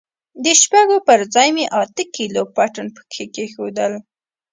د شپږو پر ځاى مې اته کيلو پټن پکښې کښېښوول.